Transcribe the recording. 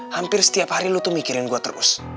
hampir setiap hari lu tuh mikirin gue terus